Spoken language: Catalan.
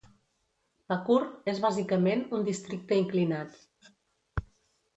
Pakur és bàsicament un districte inclinat.